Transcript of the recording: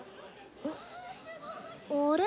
あれ？